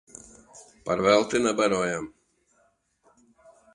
Par velti nebarojam.